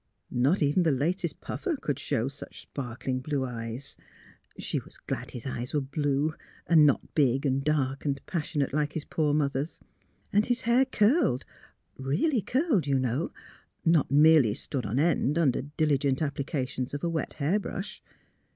Not even the latest Puffer could show such sparkling blue eyes. — She was glad his eyes were blue, and not big and dark and passionate, like his poor mother's. And his hair curled — really curled, you know, not merely stood on end under diligent applications of a wet hair brush.